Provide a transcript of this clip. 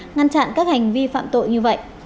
ngăn chặn các hành vi phạm tội như vậy